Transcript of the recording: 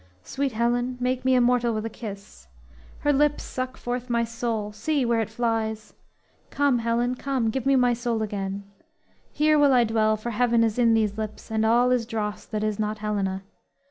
Sweet Helen, make me immortal with a kiss! Her lips suck forth my soul see where it flies; Come, Helen, come, give me my soul again; Here will I dwell, for heaven is in these lips, And all is dross that is not Helena.